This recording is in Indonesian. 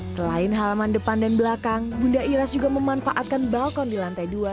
selain halaman depan dan belakang bunda iras juga memanfaatkan balkon di lantai dua